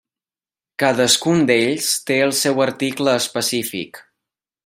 Cadascun d'ells té el seu article específic.